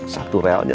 satu realnya lima